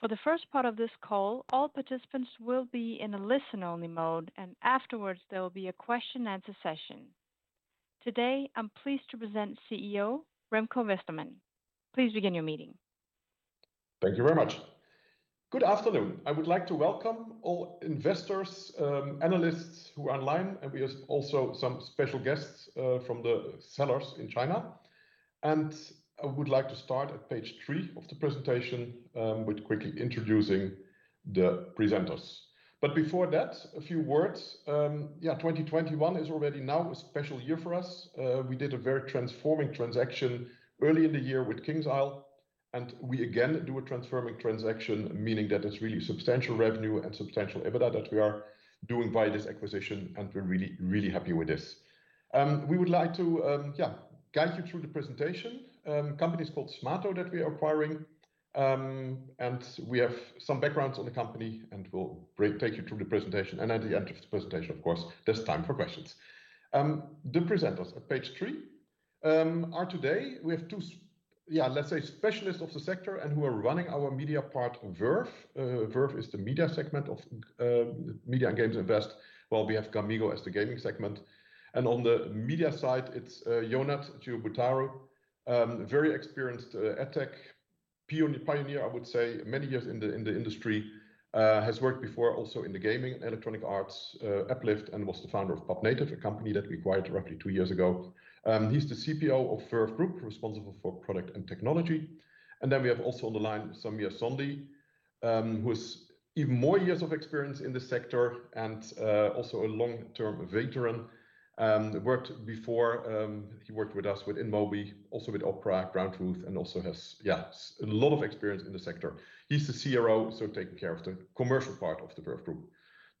For the first part of this call, all participants will be in a listen-only mode, and afterwards, there will be a question and answer session. Today, I'm pleased to present Chief Executive Officer, Remco Westermann. Please begin your meeting. Thank you very much. Good afternoon. I would like to welcome all investors, analysts who are online, we have also some special guests from the sellers in China. I would like to start at page three of the presentation with quickly introducing the presenters. Before that, a few words. 2021 is already now a special year for us. We did a very transforming transaction early in the year with KingsIsle, we again do a transforming transaction, meaning that it's really substantial revenue and substantial EBITDA that we are doing via this acquisition, we're really happy with this. We would like to guide you through the presentation. Company is called Smaato that we are acquiring, we have some backgrounds on the company, we'll take you through the presentation. At the end of the presentation, of course, there's time for questions. The presenters at page three are today, we have two, let's say, specialists of the sector. Who are running our media part, Verve. Verve is the media segment of Media and Games Invest, while we have gamigo as the gaming segment. On the media side, it's Ionut Ciobotaru, very experienced AdTech pioneer, I would say. Many years in the industry. Has worked before also in the gaming, Electronic Arts, AppLift, and was the founder of PubNative, a company that we acquired roughly two years ago. He's the Chief Product Officer of Verve Group, responsible for product and technology. Then we have also on the line, Sameer Sondhi, who has even more years of experience in the sector and also a long-term veteran. Worked before, he worked with us with InMobi, also with Opera, GroundTruth, and also has a lot of experience in the sector. He's the Chief Revenue Officer, so taking care of the commercial part of the Verve Group.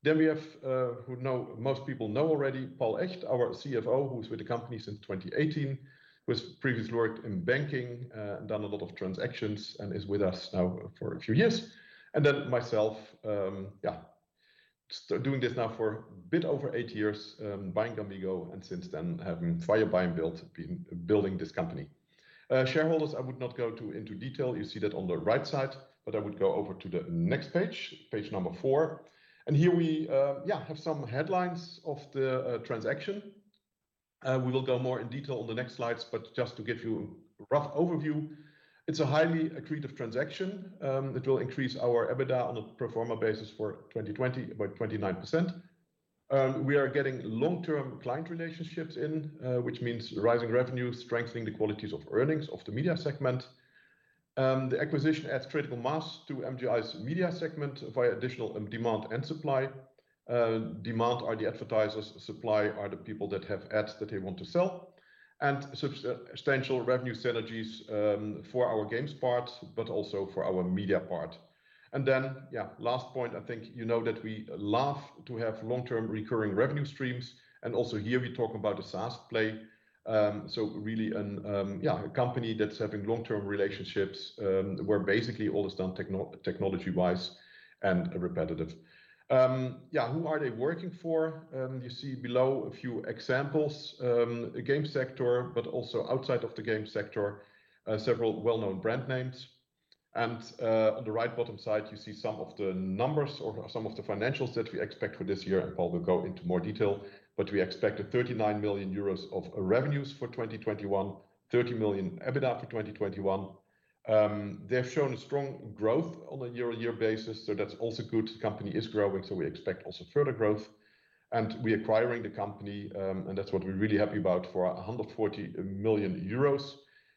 We have, who most people know already, Paul Echt, our Chief Financial Officer, who's with the company since 2018, who has previously worked in banking, done a lot of transactions, and is with us now for a few years. Myself, doing this now for a bit over eight years, buying gamigo, and since then, via buying build, building this company. Shareholders, I would not go into detail. You see that on the right side, I would go over to the next page number four. Here we have some headlines of the transaction. We will go more in detail on the next slides, just to give you a rough overview. It's a highly accretive transaction. It will increase our EBITDA on a pro forma basis for 2020 by 29%. We are getting long-term client relationships in, which means rising revenue, strengthening the qualities of earnings of the media segment. The acquisition adds critical mass to MGI's media segment via additional demand and supply. Demand are the advertisers, supply are the people that have ads that they want to sell. Substantial revenue synergies for our games part, but also for our media part. Last point, I think you know that we love to have long-term recurring revenue streams, and also here we talk about a SaaS play. Really a company that's having long-term relationships, where basically all is done technology-wise and repetitive. Who are they working for? You see below a few examples. The games sector, but also outside of the games sector, several well-known brand names. On the right bottom side, you see some of the numbers or some of the financials that we expect for this year, Paul will go into more detail. We expect 39 million euros of revenues for 2021, 30 million EBITDA for 2021. They've shown strong growth on a year-on-year basis, that's also good. The company is growing, we expect also further growth. We are acquiring the company, that's what we're really happy about, for 140 million euros,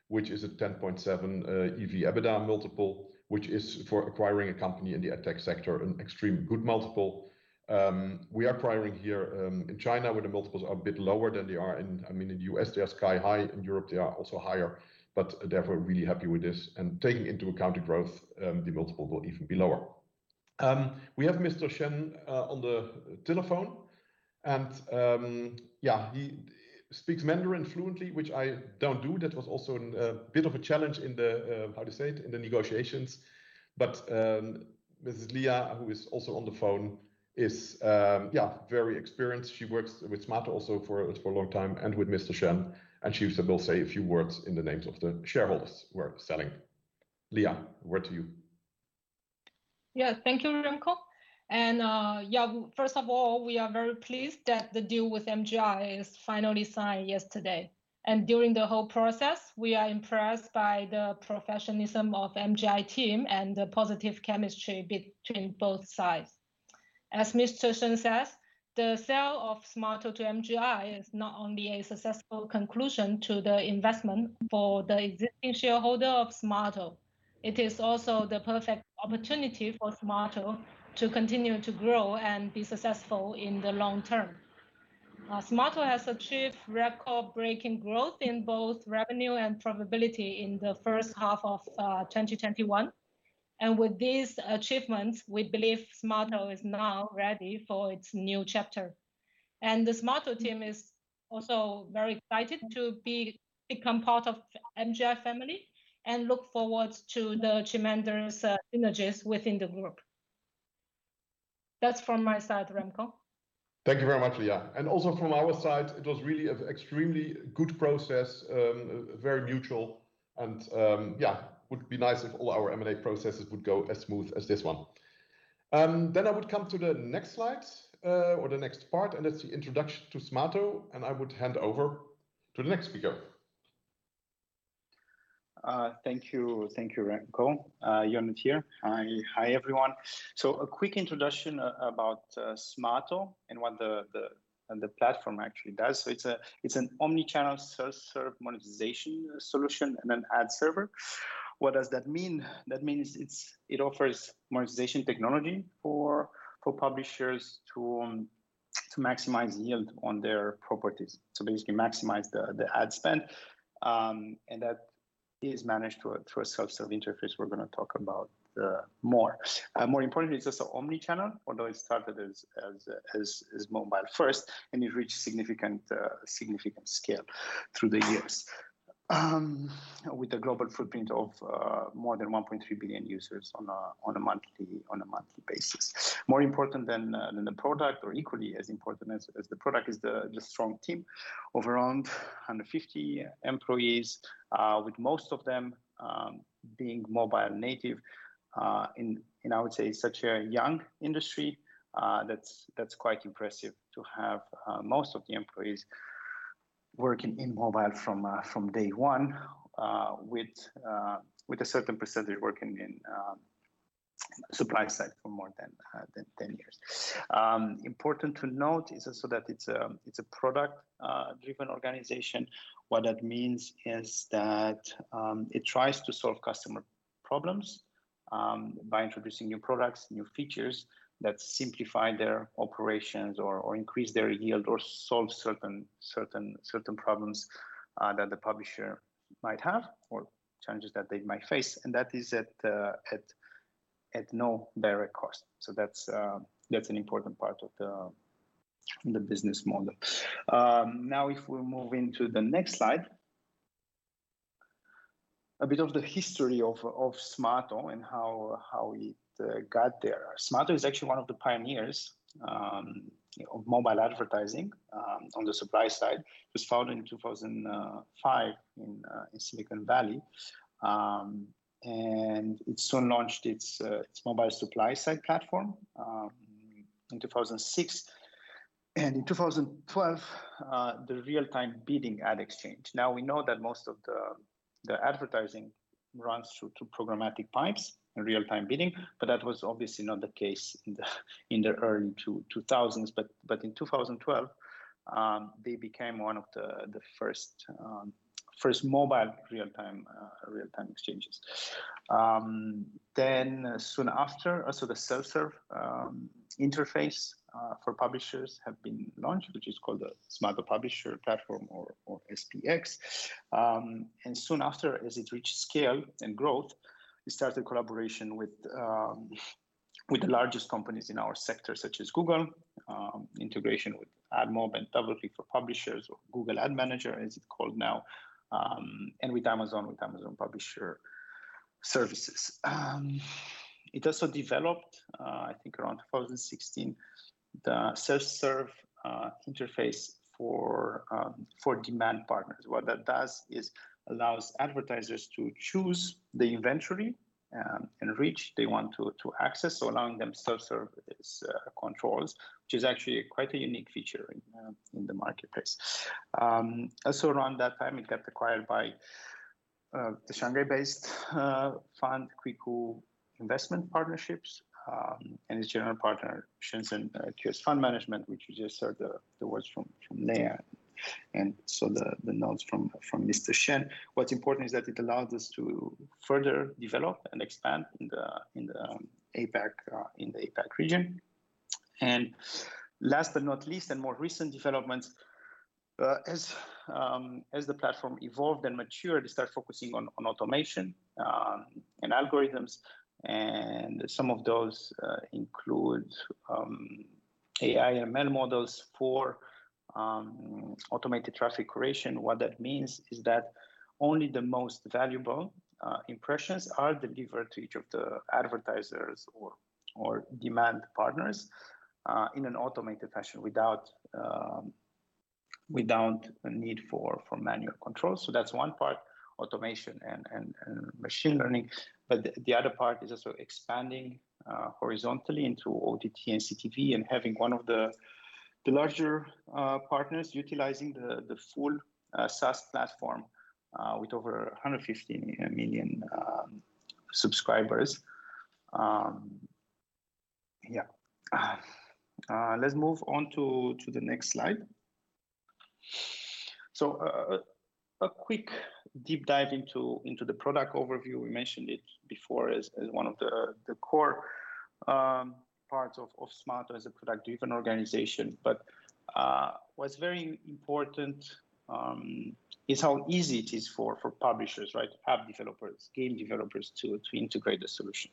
which is a 10.7x EV/EBITDA multiple, which is, for acquiring a company in the AdTech sector, an extremely good multiple. We are acquiring here in China, where the multiples are a bit lower than they are in the U.S. They are sky high. In Europe, they are also higher, definitely really happy with this. Taking into account the growth, the multiple will even be lower. We have Mr. Shen on the telephone, and he speaks Mandarin fluently, which I don't do. That was also a bit of a challenge in the, how to say it, in the negotiations. Lia, who is also on the phone, is very experienced. She works with Smaato also for a long time, and with Mr. Shen, and she will say a few words in the names of the shareholders who are selling. Lia, over to you. Yeah. Thank you, Remco. First of all, we are very pleased that the deal with MGI is finally signed yesterday. During the whole process, we are impressed by the professionalism of MGI team and the positive chemistry between both sides. As Mr. Shen says, the sale of Smaato to MGI is not only a successful conclusion to the investment for the existing shareholder of Smaato, it is also the perfect opportunity for Smaato to continue to grow and be successful in the long term. Smaato has achieved record-breaking growth in both revenue and profitability in the first half of 2021. With these achievements, we believe Smaato is now ready for its new chapter. The Smaato team is also very excited to become part of MGI family and look forward to the tremendous synergies within the group. That's from my side, Remco. Thank you very much, Lia. Also from our side, it was really an extremely good process, very mutual, and it would be nice if all our M&A processes would go as smooth as this one. I would come to the next slides, or the next part, and it's the introduction to Smaato, and I would hand over to the next speaker. Thank you, Remco. Ionut here. Hi, everyone. A quick introduction about Smaato and what the platform actually does. It's an omni-channel self-serve monetization solution and an ad server. What does that mean? That means it offers monetization technology for publishers to maximize yield on their properties. Basically maximize the ad spend, and that is managed through a self-serve interface we're going to talk about more. More importantly, it's also omni-channel, although it started as mobile first, and it reached significant scale through the years with a global footprint of more than 1.3 billion users on a monthly basis. More important than the product, or equally as important as the product, is the strong team of around 150 employees, with most of them being mobile native. In, I would say, such a young industry, that's quite impressive to have most of the employees working in mobile from day one, with a certain percentage working in supply-side for more than 10 years. Important to note is also that it's a product-driven organization. What that means is that it tries to solve customer problems by introducing new products, new features that simplify their operations or increase their yield or solve certain problems that the publisher might have or challenges that they might face, and that is at no barrier cost. That's an important part of the business model. If we move into the next slide, a bit of the history of Smaato and how we got there. Smaato is actually one of the pioneers of mobile advertising on the supply-side. It was founded in 2005 in Silicon Valley, and it soon launched its mobile supply-side platform in 2006, and in 2012, the real-time bidding ad exchange. We know that most of the advertising runs through programmatic pipes and real-time bidding, but that was obviously not the case in the early 2000s. In 2012, they became one of the first mobile real-time exchanges. Soon after, also the self-serve interface for publishers have been launched, which is called the Smaato Publisher Platform or SPX. Soon after, as it reached scale and growth, it started collaboration with the largest companies in our sector, such as Google, integration with AdMob and DoubleClick for Publishers, or Google Ad Manager as it's called now, and with Amazon, with Amazon Publisher Services. It also developed, I think around 2016, the self-serve interface for demand partners. What that does is allows advertisers to choose the inventory and reach they want to access, so allowing them self-service controls, which is actually quite a unique feature in the marketplace. Around that time, it got acquired by the Shanghai-based fund, Qiugu Investment Partnerships, and its general partner, Shenzhen QS Fund Management, which you just heard the words from Lia, and so the notes from Mr. Shen. What's important is that it allowed us to further develop and expand in the APAC region. Last but not least, in more recent developments, as the platform evolved and matured, it started focusing on automation and algorithms, and some of those include AI and ML models for automated traffic creation. What that means is that only the most valuable impressions are delivered to each of the advertisers or demand partners in an automated fashion without a need for manual control. That's one part, automation and machine learning, but the other part is also expanding horizontally into OTT and CTV and having one of the larger partners utilizing the full SaaS platform, with over 150 million subscribers. Yeah. Let's move on to the next slide. A quick deep dive into the product overview. We mentioned it before as one of the core parts of Smaato as a product-driven organization. What's very important is how easy it is for publishers, app developers, game developers to integrate the solution.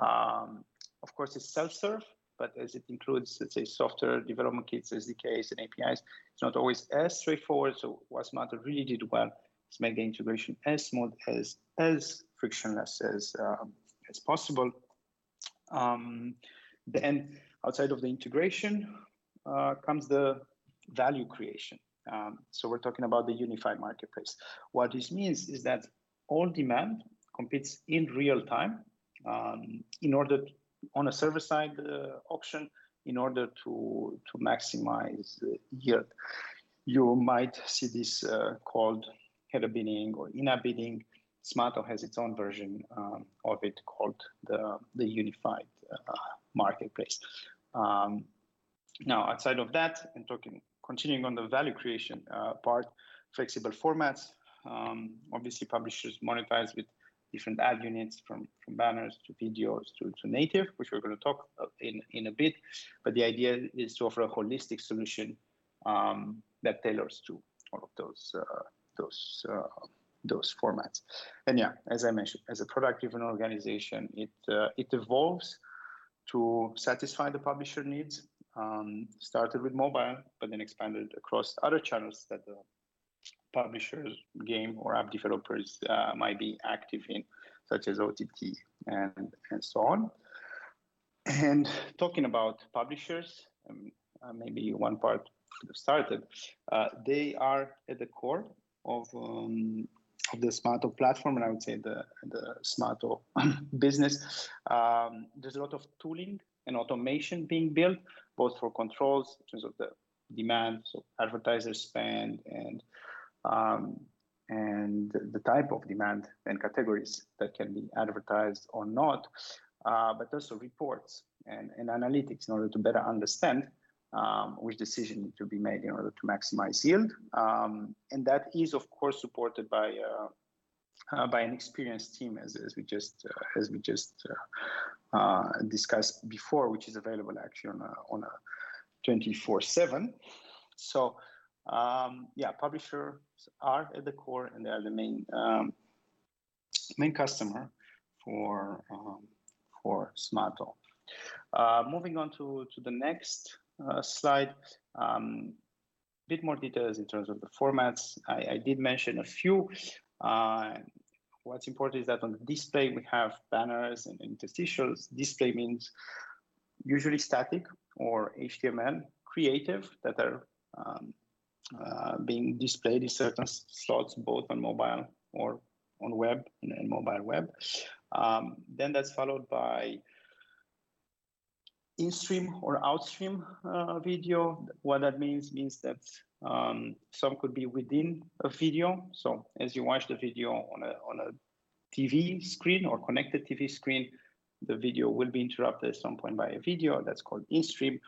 Of course, it's self-serve, but as it includes, let's say, software development kits, SDKs, and APIs, it's not always as straightforward. What Smaato really did well is make the integration as smooth, as frictionless as possible. Outside of the integration comes the value creation. We're talking about the unified marketplace. What this means is that all demand competes in real time on a server-side auction in order to maximize yield. You might see this called header bidding or in-app bidding. Smaato has its own version of it called the Unified Marketplace. Outside of that, and continuing on the value creation part, flexible formats. Obviously, publishers monetize with different ad units from banners to videos to native, which we're going to talk about in a bit. The idea is to offer a holistic solution that tailors to all of those formats. As I mentioned, as a product-driven organization, it evolves to satisfy the publisher needs. It started with mobile, but then expanded across other channels that the publishers, game or app developers might be active in, such as OTT and so on. Talking about publishers, and maybe one part to get started, they are at the core of the Smaato platform, and I would say the Smaato business. There's a lot of tooling and automation being built, both for controls in terms of the demand, so advertisers spend and the type of demand and categories that can be advertised or not. Also reports and analytics in order to better understand which decision to be made in order to maximize yield. That is, of course, supported by an experienced team as we just discussed before, which is available actually on a 24/7. Yeah, publishers are at the core, and they're the main customer for Smaato. Moving on to the next slide. A bit more details in terms of the formats. I did mention a few. What's important is that on display we have banners and interstitials. Display means usually static or HTML creative that are being displayed in certain slots, both on mobile or on web, in a mobile web. That's followed by in-stream or out-stream video. What that means is that some could be within a video, so as you watch the video on a TV screen or connected TV screen, the video will be interrupted at some point by a video that's called in-stream.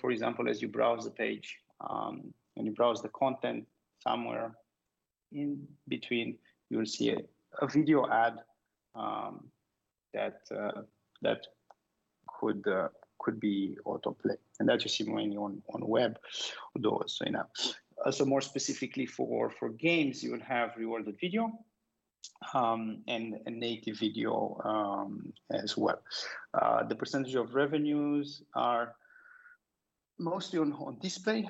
For example, as you browse the page, when you browse the content somewhere in between, you'll see a video ad that could be autoplay. That's usually when you're on web, although it's right now. More specifically for games, you'll have rewarded video and native video as well. The percentage of revenues are mostly on display,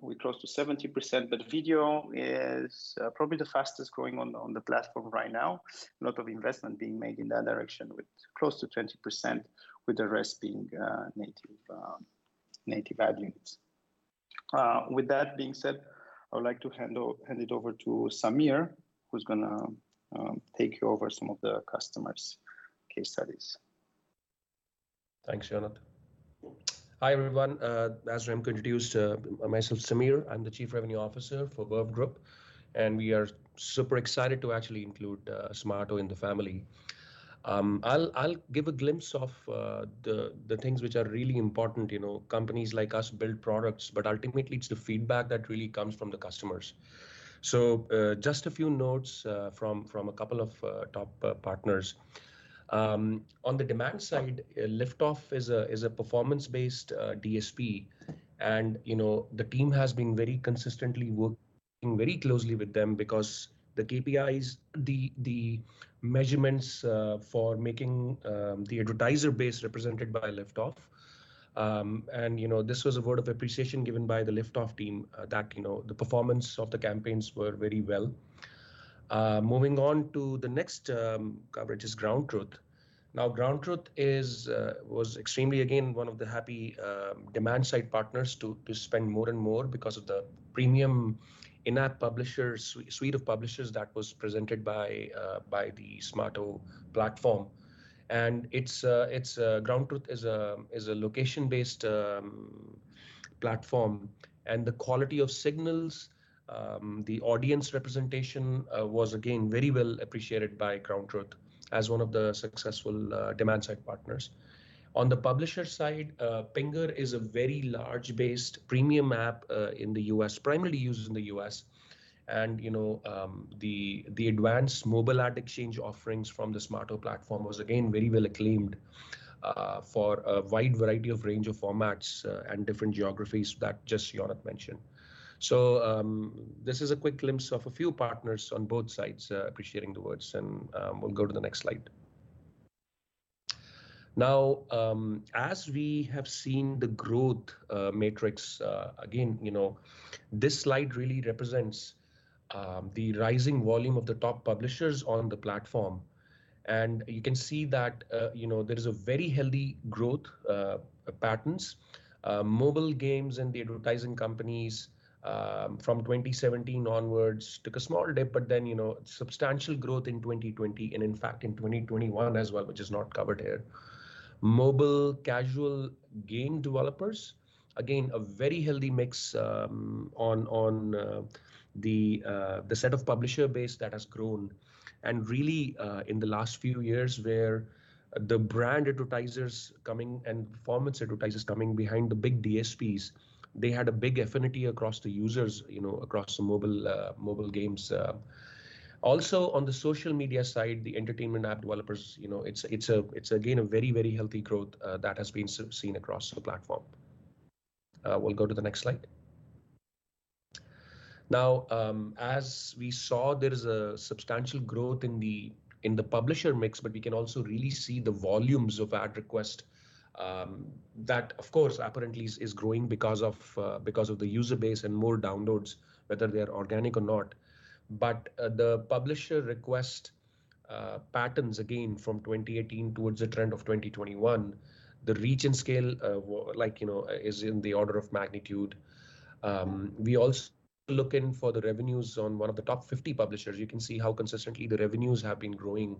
with close to 70%, but video is probably the fastest-growing on the platform right now. A lot of investment being made in that direction, with close to 20% with the rest being native ad units. With that being said, I'd like to hand it over to Sameer, who's going to take you over some of the customers' case studies. Thanks, Ionut. Hi, everyone. As I'm introduced, myself, Sameer, I'm the Chief Revenue Officer for Verve Group. We are super excited to actually include Smaato in the family. I'll give a glimpse of the things which are really important. Companies like us build products, but ultimately, it's the feedback that really comes from the customers. Just a few notes from a couple of top partners. On the demand side, Liftoff is a performance-based DSP. The team has been very consistently working very closely with them because the KPIs, the measurements for making the advertiser base represented by Liftoff. This was a vote of appreciation given by the Liftoff team that the performance of the campaigns were very well. Moving on to the next coverage is GroundTruth. GroundTruth was extremely, again, one of the happy demand-side partners to spend more and more because of the premium in-app suite of publishers that was presented by the Smaato platform. GroundTruth is a location-based platform, and the quality of signals, the audience representation was again, very well appreciated by GroundTruth as one of the successful demand-side partners. On the publisher side, Pinger is a very large-based premium app in the U.S., primarily used in the U.S. The advanced mobile ad exchange offerings from the Smaato platform was again, very well acclaimed for a wide variety of range of formats and different geographies that just Ionut mentioned. This is a quick glimpse of a few partners on both sides appreciating the words, and we'll go to the next slide. As we have seen the growth matrix, again, this slide really represents the rising volume of the top publishers on the platform. You can see that there is a very healthy growth patterns. Mobile games and the advertising companies from 2017 onwards took a small dip, but then substantial growth in 2020 and in fact in 2021 as well, which is not covered here. Mobile casual game developers, again, a very healthy mix on the set of publisher base that has grown and really, in the last few years, where the brand advertisers coming and performance advertisers coming behind the big DSPs, they had a big affinity across the users, across the mobile games. On the social media side, the entertainment app developers, it's again, a very healthy growth that has been seen across the platform. We'll go to the next slide. As we saw, there is a substantial growth in the publisher mix, we can also really see the volumes of ad request that, of course, apparently is growing because of the user base and more downloads, whether they are organic or not. The publisher request patterns, again, from 2018 towards the trend of 2021, the reach and scale is in the order of magnitude. We also look in for the revenues on one of the top 50 publishers. You can see how consistently the revenues have been growing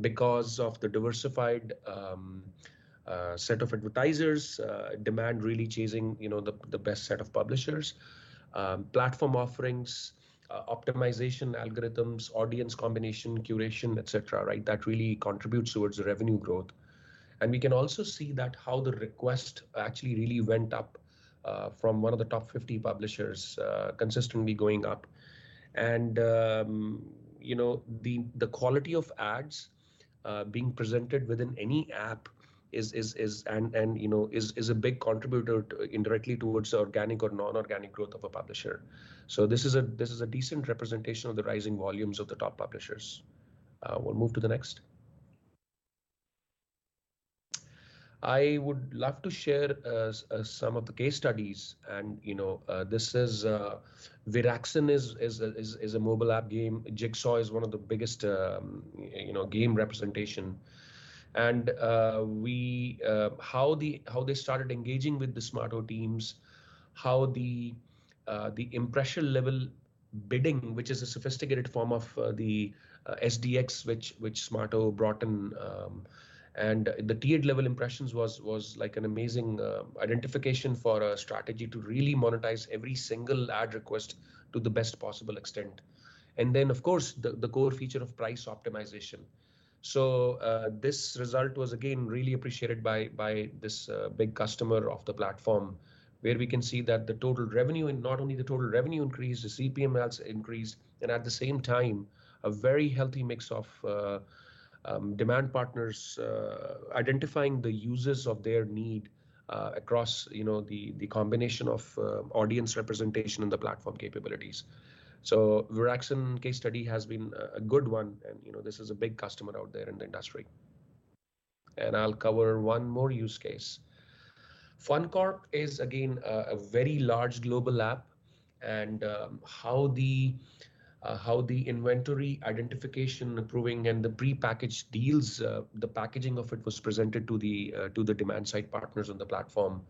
because of the diversified set of advertisers, demand really chasing the best set of publishers, platform offerings, optimization algorithms, audience combination, curation, et cetera. That really contributes towards the revenue growth. We can also see that how the request actually really went up, from one of the top 50 publishers, consistently going up. The quality of ads being presented within any app is a big contributor indirectly towards the organic or non-organic growth of a publisher. This is a decent representation of the rising volumes of the top publishers. We'll move to the next. I would love to share some of the case studies, and Veraxen is a mobile app game. Jigsaw is one of the biggest game representation. How they started engaging with the Smaato teams, how the impression level bidding, which is a sophisticated form of the SPX, which Smaato brought in. The tiered level impressions was like an amazing identification for a strategy to really monetize every single ad request to the best possible extent. Of course, the core feature of price optimization. This result was again, really appreciated by this big customer of the platform, where we can see that the total revenue, and not only the total revenue increase, the CPM amounts increase, and at the same time, a very healthy mix of demand partners identifying the users of their need across the combination of audience representation and the platform capabilities. Veraxen case study has been a good one and this is a big customer out there in the industry. I'll cover one more use case. FunCorp is again, a very large global app and how the inventory identification approving and the prepackaged deals, the packaging of it was presented to the demand-side partners on the platform.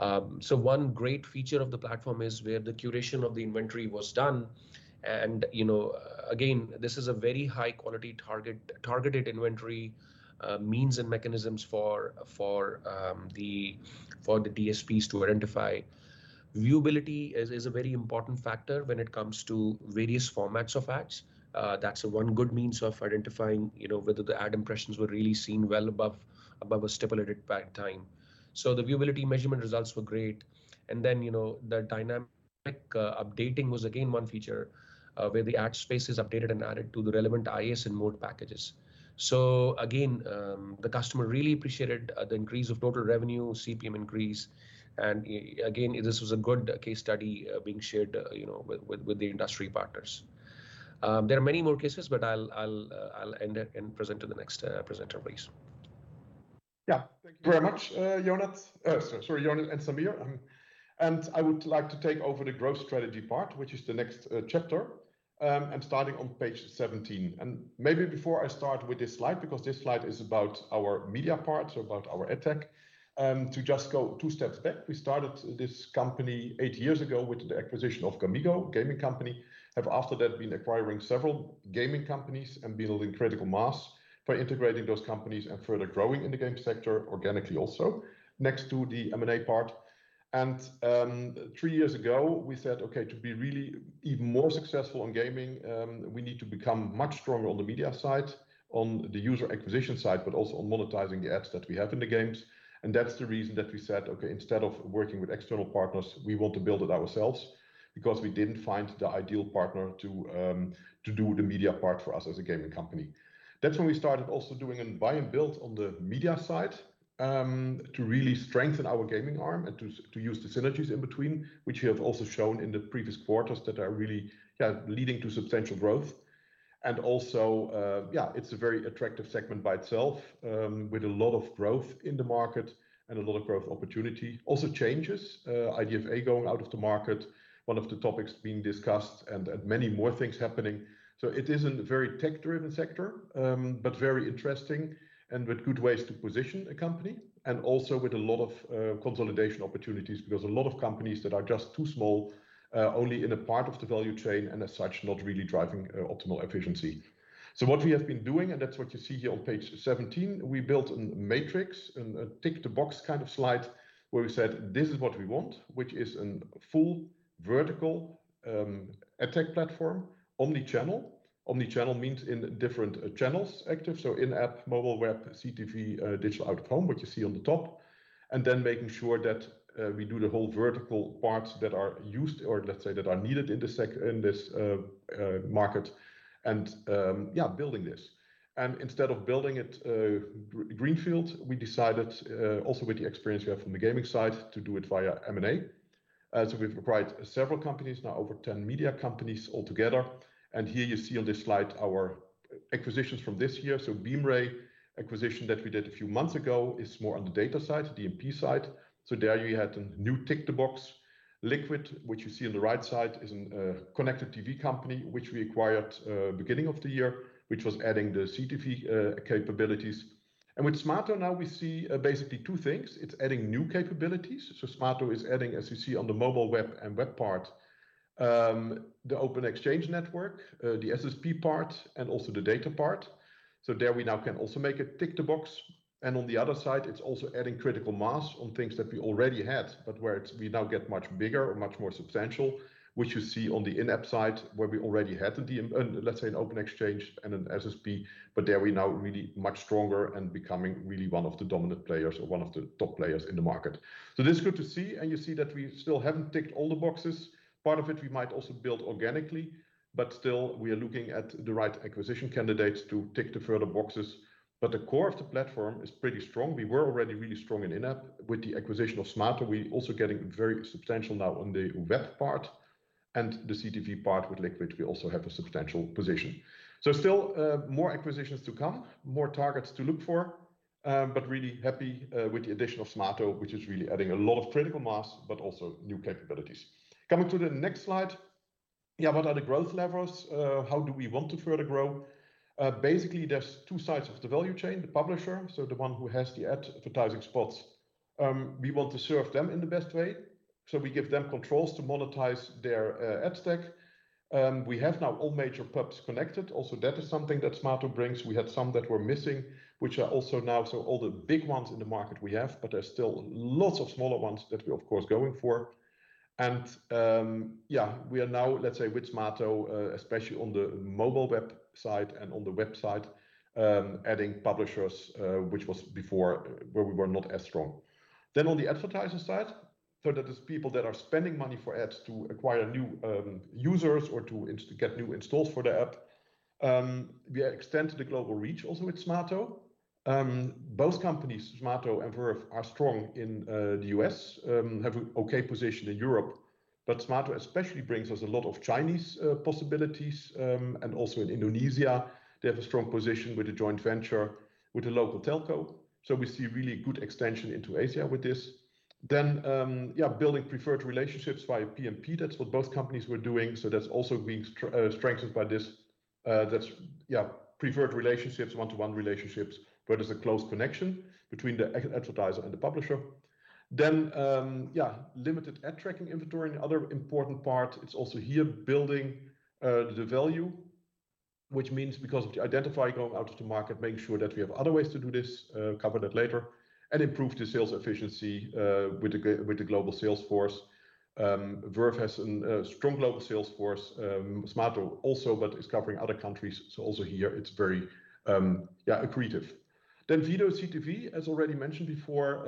One great feature of the platform is where the curation of the inventory was done, and again, this is a very high-quality targeted inventory, means and mechanisms for the DSPs to identify. Viewability is a very important factor when it comes to various formats of ads. That's one good means of identifying whether the ad impressions were really seen well above a stipulated pack time. The viewability measurement results were great, and then the dynamic updating was again one feature where the ad space is updated and added to the relevant IS and mode packages. Again, the customer really appreciated the increase of total revenue, CPM increase, and again, this was a good case study being shared with the industry partners. There are many more cases, I'll end and present to the next presenter, please. Yeah. Thank you very much, Ionut. Sorry, Ionut and Sameer. I would like to take over the growth strategy part, which is the next chapter, and starting on page 17. Maybe before I start with this slide, because this slide is about our media part, so about our ad tech. To just go two steps back, we started this company eight years ago with the acquisition of gamigo, a gaming company. We have after that been acquiring several gaming companies and building critical mass by integrating those companies and further growing in the game sector organically also, next to the M&A part. Three years ago, we said, okay, to be really even more successful in gaming, we need to become much stronger on the media side, on the user acquisition side, but also on monetizing the ads that we have in the games. That's the reason that we said, okay, instead of working with external partners, we want to build it ourselves because we didn't find the ideal partner to do the media part for us as a gaming company. That's when we started also doing a buy and build on the media side, to really strengthen our gaming arm and to use the synergies in between, which we have also shown in the previous quarters that are really leading to substantial growth. Also, it's a very attractive segment by itself with a lot of growth in the market and a lot of growth opportunity. Also changes, IDFA going out of the market, one of the topics being discussed and many more things happening. It is a very tech-driven sector, but very interesting and with good ways to position a company, and also with a lot of consolidation opportunities because a lot of companies that are just too small, only in a part of the value chain and as such not really driving optimal efficiency. What we have been doing, and that's what you see here on page 17, we built a matrix and a tick the box kind of slide where we said this is what we want, which is a full vertical ad tech platform, omnichannel. Omnichannel means in different channels active, so in-app, mobile web, CTV, digital out-of-home, what you see on the top. Making sure that we do the whole vertical parts that are used or let's say that are needed in this market, and building this. Instead of building it greenfield, we decided also with the experience we have from the gaming side to do it via M&A. We've acquired several companies now, over 10 media companies altogether. Here you see on this slide our acquisitions from this year. Beemray acquisition that we did a few months ago is more on the data side, DMP side. There we had a new tick the box. LKQD, which you see on the right side, is a connected TV company which we acquired beginning of the year, which was adding the CTV capabilities. With Smaato now we see basically two things. It's adding new capabilities. Smaato is adding, as you see on the mobile web and web part, the open exchange network, the SSP part, and also the data part. There we now can also make a tick the box. On the other side, it's also adding critical mass on things that we already had, but where we now get much bigger and much more substantial, which you see on the in-app side, where we already had, let's say, an open exchange and an SSP, but there we now are really much stronger and becoming really one of the dominant players or one of the top players in the market. This is good to see, and you see that we still haven't ticked all the boxes. Part of it we might also build organically, but still we are looking at the right acquisition candidates to tick the further boxes. The core of the platform is pretty strong. We were already really strong in in-app. With the acquisition of Smaato, we're also getting very substantial now on the web part and the CTV part with LKQD, we also have a substantial position. Still more acquisitions to come, more targets to look for, but really happy with the addition of Smaato, which is really adding a lot of critical mass, but also new capabilities. Coming to the next slide. What are the growth levers? How do we want to further grow? Basically, there's two sides of the value chain. The publisher, so the one who has the advertising spots, we want to serve them in the best way. We give them controls to monetize their ad stack. We have now all major pubs connected. That is something that Smaato brings. We had some that were missing, which are also now, so all the big ones in the market we have, but there's still lots of smaller ones that we're of course going for. We are now, let's say, with Smaato, especially on the mobile web side and on the web side, adding publishers, which was before where we were not as strong. On the advertising side, so that is people that are spending money for ads to acquire new users or to get new installs for the app. We extend to the global reach also with Smaato. Both companies, Smaato and Verve Group, are strong in the U.S., have an okay position in Europe, but Smaato especially brings us a lot of Chinese possibilities, and also in Indonesia, they have a strong position with a joint venture with a local telco. We see really good extension into Asia with this. Building preferred relationships via PMP. That's what both companies were doing. That's also being strengthened by this. That's preferred relationships, one-to-one relationships where there's a close connection between the advertiser and the publisher. Limited ad tracking inventory and other important parts. It's also here building the value, which means because the identifier going out to the market, making sure that we have other ways to do this, cover that later, and improve the sales efficiency with the global sales force. Verve has a strong global sales force, Smaato also, but it's covering other countries, so also here it's very accretive. Video CTV, as already mentioned before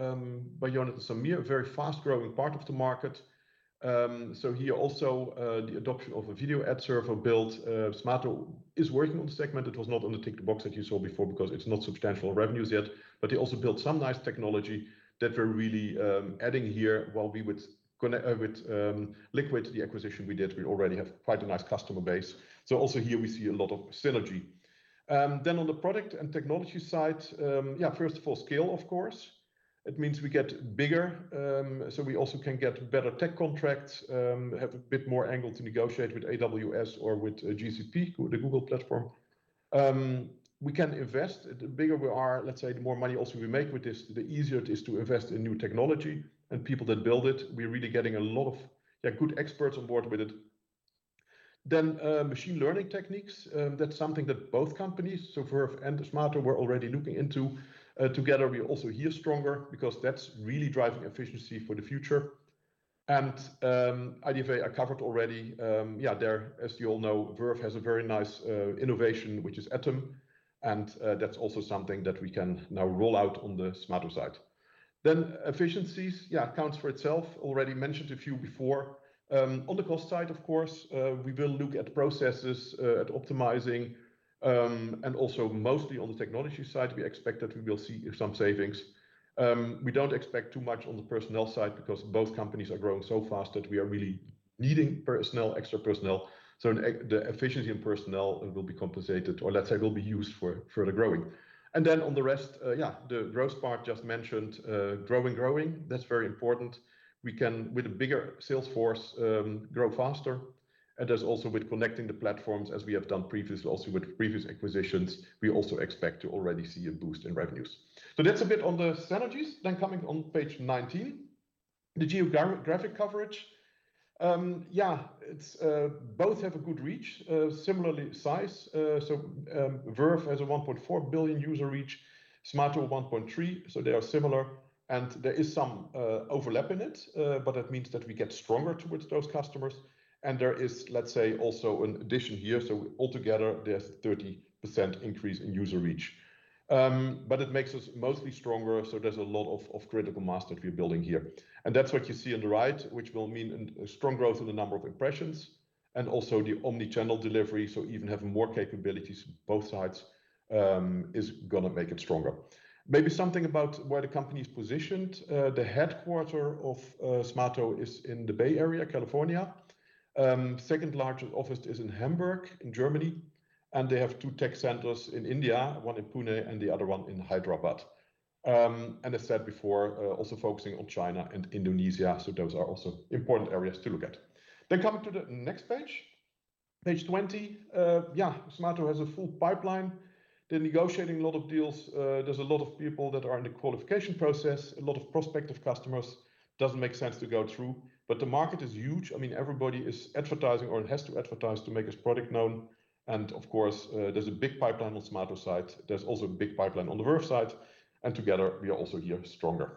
by Ionut and Sameer, a very fast-growing part of the market. Here also, the adoption of a video ad server built. Smaato is working on the segment. It was not on the tick the box that you saw before because it's not substantial revenues yet. They also built some nice technology that we're really adding here. With LKQD, the acquisition we did, we already have quite a nice customer base. Also here we see a lot of synergy. On the product and technology side, first of all, scale, of course. It means we get bigger, we also can get better tech contracts, have a bit more angle to negotiate with AWS or with GCP, Google Platform. We can invest. The bigger we are, let's say, the more money also we make with this, the easier it is to invest in new technology and people that build it. We're really getting a lot of good experts on board with it. Machine learning techniques, that's something that both companies, so Verve Group and Smaato, were already looking into. Together we are also here stronger because that's really driving efficiency for the future. IDFA, I covered already. There, as you all know, Verve has a very nice innovation, which is ATOM, and that's also something that we can now roll out on the Smaato side. Efficiencies, accounts for itself. Already mentioned a few before. On the cost side, of course, we will look at processes, at optimizing, and also mostly on the technology side, we expect that we will see some savings. We don't expect too much on the personnel side because both companies are growing so fast that we are really needing personnel, extra personnel. The efficiency in personnel will be compensated or, let's say, will be used for the growing. On the rest, the growth part just mentioned growing. That's very important. We can, with a bigger sales force, grow faster. That's also with connecting the platforms as we have done previously also with previous acquisitions, we also expect to already see a boost in revenues. That's a bit on the synergies. Coming on page 19, the geographic coverage. Both have a good reach, similar size. Verve has a 1.4 billion user reach, Smaato 1.3 billion, so they are similar, and there is some overlap in it, but that means that we get stronger towards those customers. There is also an addition here. Altogether, there's a 30% increase in user reach. It makes us mostly stronger, so there's a lot of critical mass that we're building here. That's what you see on the right, which will mean strong growth in the number of impressions and also the omnichannel delivery. Even having more capabilities on both sides is going to make it stronger. Maybe something about where the company is positioned. The headquarters of Smaato is in the Bay Area, California. Second largest office is in Hamburg, in Germany, and they have two tech centers in India, one in Pune and the other one in Hyderabad. I said before, also focusing on China and Indonesia. Those are also important areas to look at. Coming to the next page 20. Yeah. Smaato has a full pipeline. They're negotiating a lot of deals. There's a lot of people that are in the qualification process, a lot of prospective customers. Doesn't make sense to go through. The market is huge. Everybody is advertising or has to advertise to make its product known. Of course, there's a big pipeline on Smaato side. There's also a big pipeline on the Verve side, and together we are also here stronger.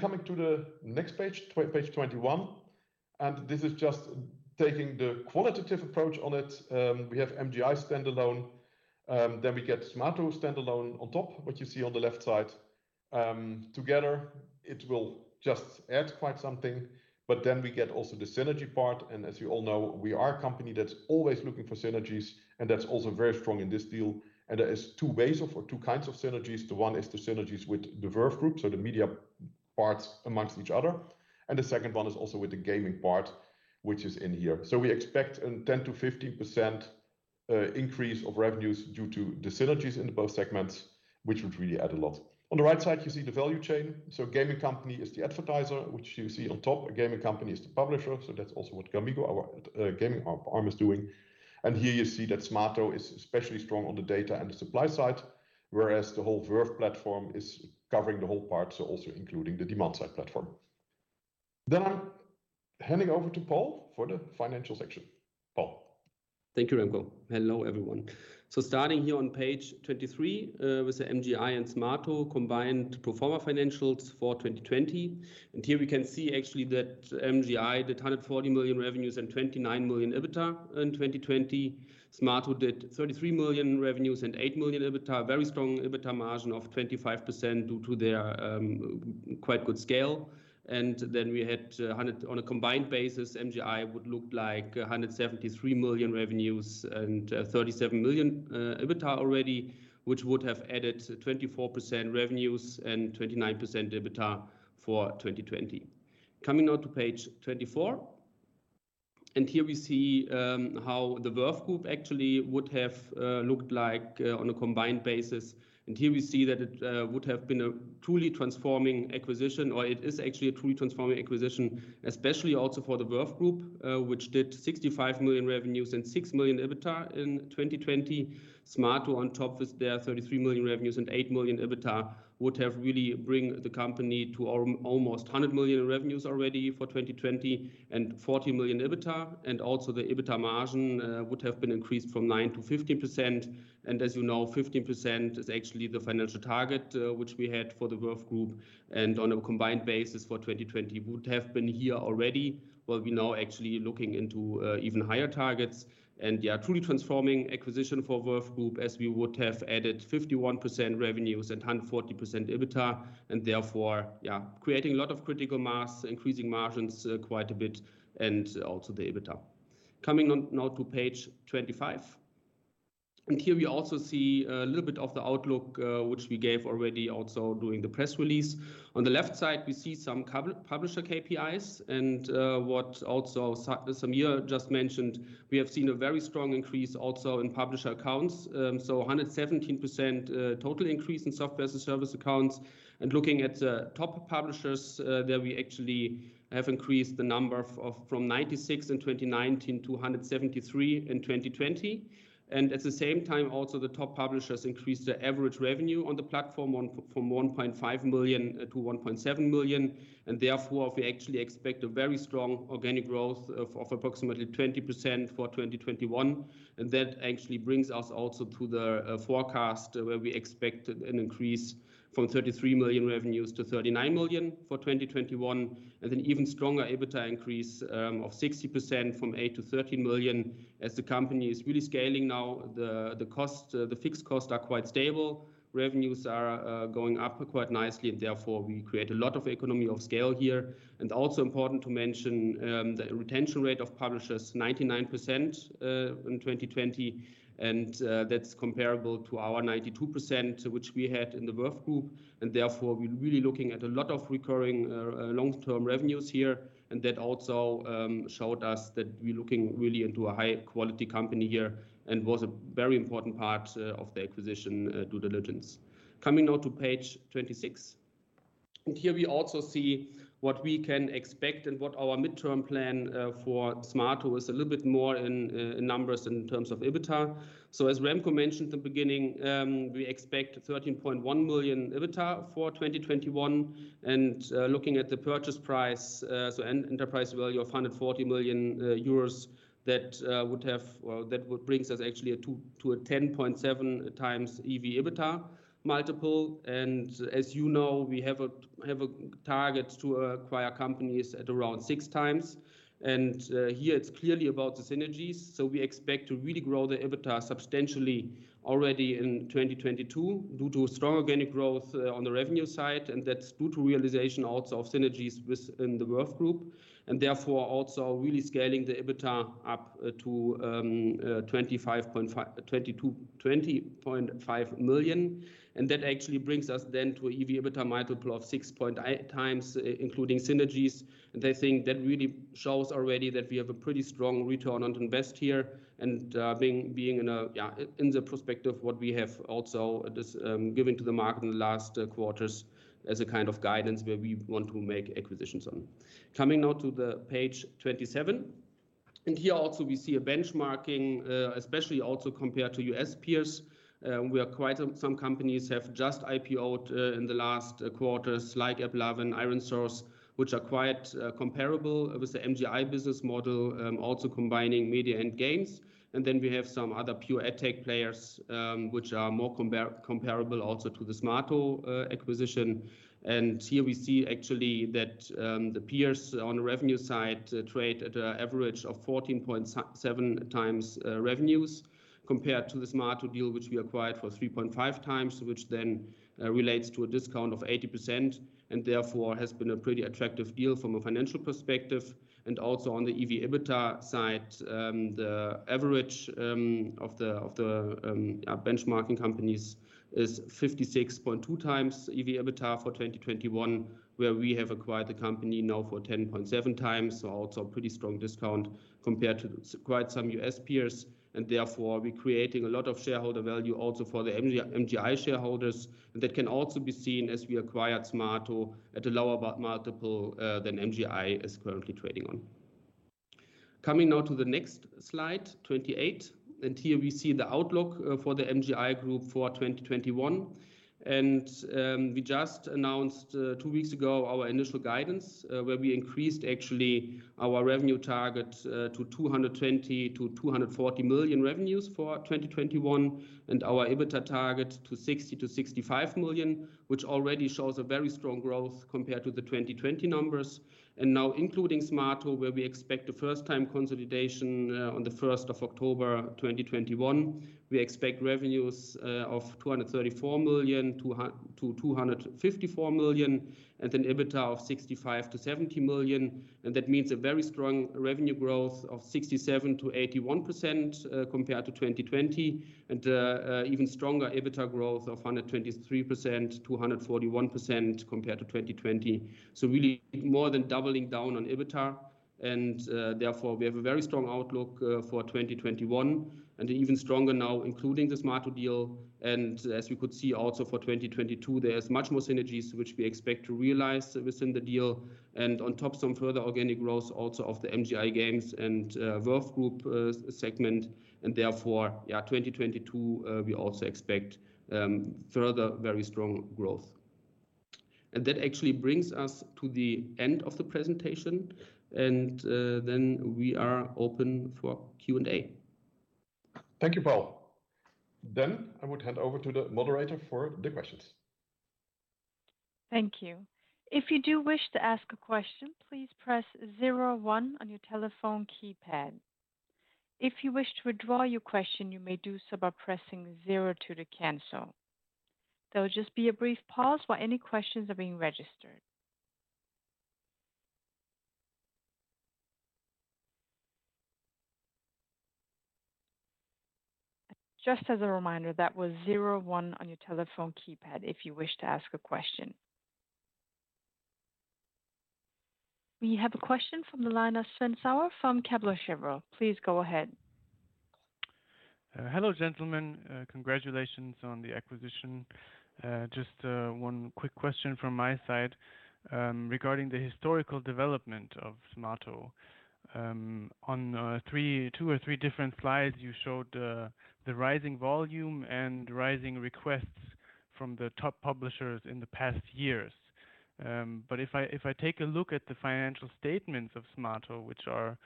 Coming to the next page 21. This is just taking the qualitative approach on it. We have MGI standalone, then we get Smaato standalone on top, which you see on the left side. Together it will just add quite something. We get also the synergy part. As you all know, we are a company that's always looking for synergies, and that's also very strong in this deal. There is two ways or two kinds of synergies. The one is the synergies with the Verve Group, so the media parts amongst each other, and the second one is also with the gaming part, which is in here. We expect a 10%-15% increase of revenues due to the synergies in both segments, which would really add a lot. On the right side, you see the value chain. Gaming company is the advertiser, which you see on top. A gaming company is the publisher. That's also what gamigo, our gaming arm, is doing. Here you see that Smaato is especially strong on the data and the supply side, whereas the whole Verve platform is covering the whole part, so also including the demand side platform. I'm handing over to Paul for the financial section. Paul. Thank you, Remco. Hello, everyone. Starting here on page 23 with the MGI and Smaato combined pro forma financials for 2020. Here we can see actually that MGI did 140 million revenues and 29 million EBITDA in 2020. Smaato did 33 million revenues and 8 million EBITDA. Very strong EBITDA margin of 25% due to their quite good scale. We had on a combined basis, MGI would look like 173 million revenues and 37 million EBITDA already, which would have added 24% revenues and 29% EBITDA for 2020. Coming on to page 24, here we see how the Verve Group actually would have looked like on a combined basis. Here we see that it would have been a truly transforming acquisition, or it is actually a truly transforming acquisition, especially also for the Verve Group, which did 65 million revenues and 6 million EBITDA in 2020. Smaato on top with their 33 million revenues and 8 million EBITDA would have really bring the company to almost 100 million revenues already for 2020 and 40 million EBITDA. Also the EBITDA margin would have been increased from 9% to 15%. As you know, 15% is actually the financial target which we had for the Verve Group. On a combined basis for 2020 would have been here already. We're now actually looking into even higher targets, and yeah, truly transforming acquisition for Verve Group, as we would have added 51% revenues and 140% EBITDA, and therefore, yeah, creating a lot of critical mass, increasing margins quite a bit, and also the EBITDA. Coming on now to page 25. Here we also see a little bit of the outlook, which we gave already also during the press release. On the left side, we see some publisher KPIs and what also Sameer just mentioned, we have seen a very strong increase also in publisher accounts. 117% total increase in Software-as-a-Service accounts. Looking at the top publishers there, we actually have increased the number from 96 in 2019 to 173 in 2020. At the same time, also the top publishers increased their average revenue on the platform from 1.5 million to 1.7 million. We actually expect a very strong organic growth of approximately 20% for 2021. That actually brings us also to the forecast where we expect an increase from 33 million revenues to 39 million for 2021 and an even stronger EBITDA increase of 60% from 8 million to 30 million. As the company is really scaling now, the fixed costs are quite stable. Revenues are going up quite nicely, and therefore we create a lot of economy of scale here. Also important to mention, the retention rate of publishers, 99% in 2020, and that's comparable to our 92%, which we had in the Verve Group. That also showed us that we're looking really into a high-quality company here and was a very important part of the acquisition due diligence. Coming on to page 26. Here we also see what we can expect and what our midterm plan for Smaato is, a little bit more in numbers in terms of EBITDA. As Remco mentioned at the beginning, we expect 13.1 million EBITDA for 2021. Looking at the purchase price, enterprise value of 140 million euros, that would bring us actually to a 10.7x EV/EBITDA multiple. As you know, we have a target to acquire companies at around 6x, and here it's clearly about the synergies. We expect to really grow the EBITDA substantially already in 2022 due to strong organic growth on the revenue side, and that's due to realization also of synergies within the Verve Group. Therefore, also really scaling the EBITDA up to 20.5 million. That actually brings us then to an EV/EBITDA multiple of 6.8x, including synergies. I think that really shows already that we have a pretty strong return on invest here. Being in the perspective what we have also given to the market in the last quarters as a kind of guidance where we want to make acquisitions on. Coming now to the page 27, here also we see a benchmarking, especially also compared to U.S. peers, where some companies have just IPO'd in the last quarters, like AppLovin and ironSource, which are quite comparable with the MGI business model, also combining media and games. Then we have some other pure ad tech players, which are more comparable also to the Smaato acquisition. Here we see actually that the peers on the revenue side trade at an average of 14.7x revenues compared to the Smaato deal, which we acquired for 3.5x, which then relates to a discount of 80% and therefore has been a pretty attractive deal from a financial perspective. Also on the EV/EBITDA side, the average of the benchmarking companies is 56.2x EV/EBITDA for 2021, where we have acquired the company now for 10.7x. Also a pretty strong discount compared to quite some U.S. peers. Therefore, we're creating a lot of shareholder value also for the MGI shareholders. That can also be seen as we acquired Smaato at a lower multiple than MGI is currently trading on. Coming now to the next slide, 28, here we see the outlook for the MGI Group for 2021. We just announced two weeks ago our initial guidance, where we increased actually our revenue target to 220 million-240 million revenues for 2021, and our EBITDA target to 60 million-65 million, which already shows a very strong growth compared to the 2020 numbers. Now including Smaato, where we expect a first-time consolidation on the 1st of October 2021, we expect revenues of 234 million-254 million, and an EBITDA of 65 million-70 million. That means a very strong revenue growth of 67%-81% compared to 2020, and even stronger EBITDA growth of 123%, 241% compared to 2020. Really more than doubling down on EBITDA. Therefore we have a very strong outlook for 2021, and even stronger now including the Smaato deal. As you could see also for 2022, there's much more synergies which we expect to realize within the deal, and on top some further organic growth also of the MGI Games and Verve Group segment, and therefore, yeah, 2022, we also expect further very strong growth. That actually brings us to the end of the presentation, and then we are open for Q&A. Thank you, Paul. I would hand over to the moderator for the questions. Thank you. If you do wish to ask a question please press zero one on your telephone keypad. If you wish to withdraw your question, you may do so by pressing zero two to cancel. They will just be a brief pause for any questions that are being registered. Just as a reminder that was zero one on your telephone key pad if you wish to ask a question. We have a question from the line of Sven Sauer from Kepler Cheuvreux. Please go ahead. Hello, gentlemen. Congratulations on the acquisition. Just one quick question from my side regarding the historical development of Smaato. On two or three different slides, you showed the rising volume and rising requests from the top publishers in the past years. If I take a look at the financial statements of Smaato, which are,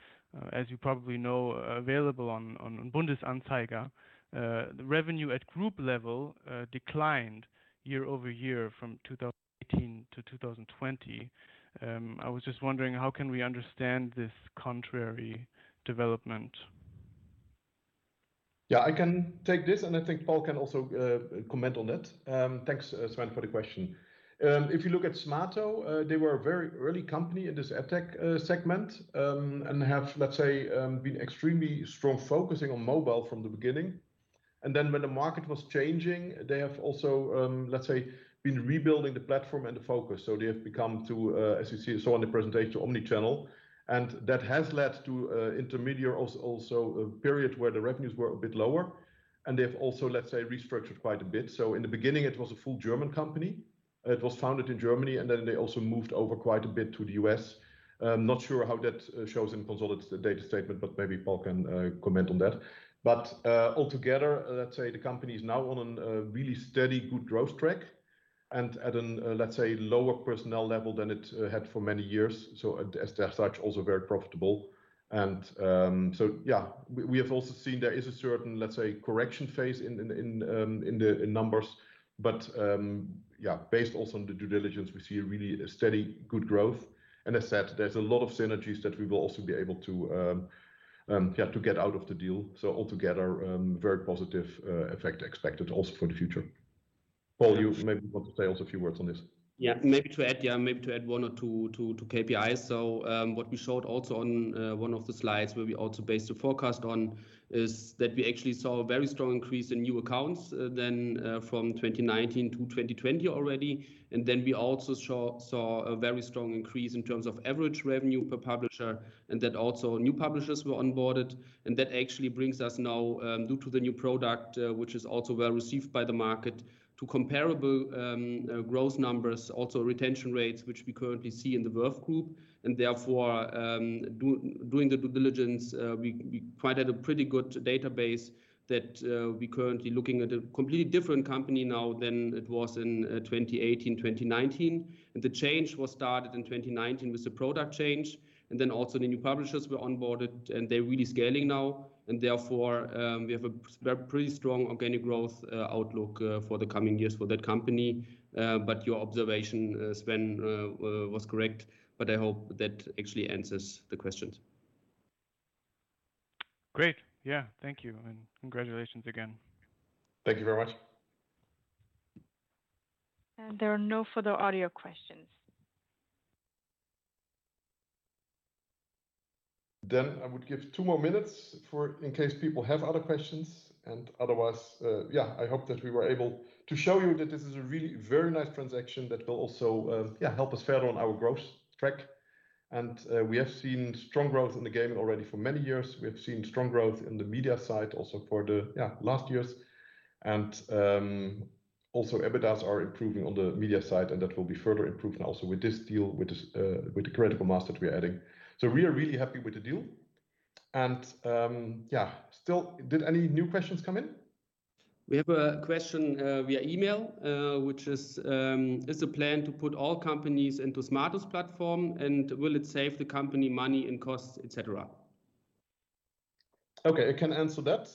as you probably know, available on Bundesanzeiger, the revenue at group level declined year-over-year from 2018 to 2020. I was just wondering, how can we understand this contrary development? I can take this, and I think Paul can also comment on it. Thanks, Sven, for the question. If you look at Smaato, they were a very early company in this ad tech segment, and have, let's say, been extremely strong focusing on mobile from the beginning. When the market was changing, they have also, let's say, been rebuilding the platform and the focus. They have become to, as you saw in the presentation, omnichannel, and that has led to an intermediate also period where the revenues were a bit lower, and they have also, let's say, restructured quite a bit. In the beginning, it was a full German company It was founded in Germany, and then they also moved over quite a bit to the U.S. Not sure how that shows in consolidated data statement, but maybe Paul can comment on that. Altogether, let's say the company is now on a really steady good growth track and at an, let's say, lower personnel level than it had for many years. As such, also very profitable. Yeah, we have also seen there is a certain, let's say, correction phase in the numbers. Yeah, based also on the due diligence, we see a really steady good growth. As said, there's a lot of synergies that we will also be able to get out of the deal. Altogether, very positive effect expected also for the future. Paul, you maybe want to say also a few words on this. Maybe to add one or two KPIs. What we showed also on one of the slides where we also based the forecast on is that we actually saw a very strong increase in new accounts then from 2019 to 2020 already. Then we also saw a very strong increase in terms of average revenue per publisher, and that also new publishers were onboarded. That actually brings us now, due to the new product, which is also well received by the market, to comparable growth numbers, also retention rates, which we currently see in the Verve Group. Therefore, doing the due diligence, we quite had a pretty good database that we're currently looking at a completely different company now than it was in 2018, 2019. The change was started in 2019 with the product change, and then also the new publishers were onboarded, and they're really scaling now. Therefore, we have a pretty strong organic growth outlook for the coming years for that company. Your observation, Sven, was correct. I hope that actually answers the questions. Great. Yeah. Thank you, and congratulations again. Thank you very much. There are no further audio questions. I would give two more minutes in case people have other questions, otherwise, yeah, I hope that we were able to show you that this is a really very nice transaction that will also help us further on our growth track. We have seen strong growth in the gaming already for many years. We have seen strong growth in the media side also for the last years. Also, EBITDAs are improving on the media side, and that will be further improved now also with this deal, with the critical mass that we are adding. We are really happy with the deal. Yeah, did any new questions come in? We have a question via email, which is: Is the plan to put all companies into Smaato's platform, and will it save the company money and costs, et cetera? Okay, I can answer that.